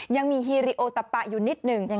ยังมีฮีริโอตะปะอยู่นิดหนึ่ง